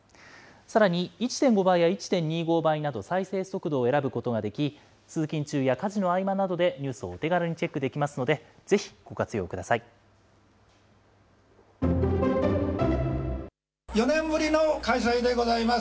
さらに１．５倍や１．２５倍など再生速度を選ぶことができ、通勤中や家事の合間などでニュースをお手軽にチェックできますの４年ぶりの開催でございます。